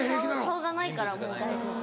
顔がないからもう大丈夫。